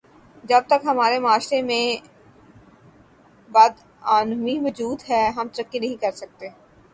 جب تم ہمارے معاشرے میں بدعنوانی موجود ہے ہم ترقی نہیں کرسکتے